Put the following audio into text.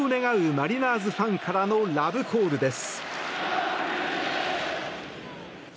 マリナーズファンからのラブコールです。